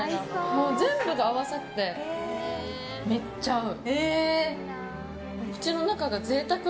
もう全部が合わさってめっちゃ合う！